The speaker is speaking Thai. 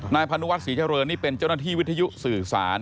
พานุวัฒนศรีเจริญนี่เป็นเจ้าหน้าที่วิทยุสื่อสาร